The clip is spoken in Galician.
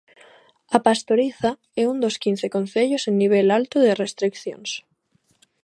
A Pastoriza é un dos quince concellos en nivel alto de restricións.